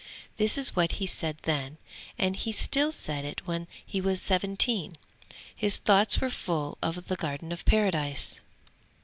This is what he said then, and he still said it when he was seventeen; his thoughts were full of the Garden of Paradise.